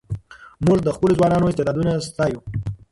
موږ د خپلو ځوانانو استعدادونه ستایو.